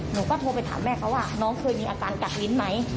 หนูก็โทรไปถามแม่เขาว่าน้องเคยมีอาการกัดลิ้นไหม